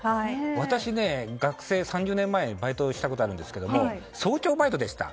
私ね、３０年前にバイトしたことあるんですが早朝バイトでした。